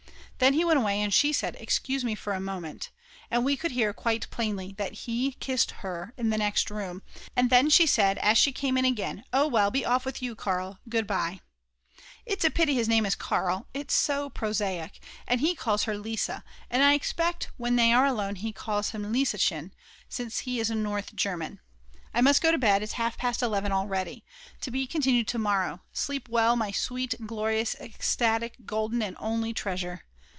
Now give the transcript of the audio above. Then he went away, and she said: "Excuse me for a moment," and we could hear quite plainly that he kissed her in the next room, and then she said as she came in again: "Oh well, be off with you, Karl, goodbye." It's a pity his name is Karl, it's so prosaic, and he calls her Lise, and I expect when they are alone he calls her Lieschen, since he is a North German. I must go to bed, it's half past 11 already. To be continued to morrow. Sleep well, my sweet glorious ecstatic golden and only treasure!